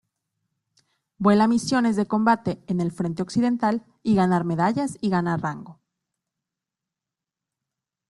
Vuela misiones de combate en el frente occidental y ganar medallas y ganar rango.